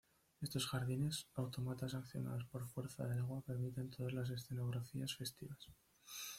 Estos jardines, autómatas accionados por fuerza del agua permiten todas las escenografías festivas.